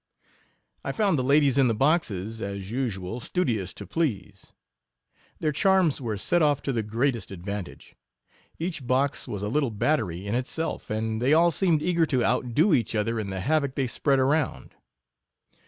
I found the ladies in the boxes, as usual, studious to please; their charms were set off to the greatest advantage ; each box was a little battery in itself, and they all seemed eager to outdo each other in the havoc they spread around.